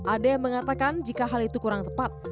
ada yang mengatakan jika hal itu kurang tepat